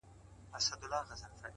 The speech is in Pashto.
د کتابتون سکوت د فکر حرکت ورو کوي؛